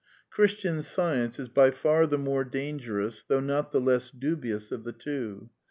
Christian Science is by far the more dangerous^ though not the less dubious, of the two.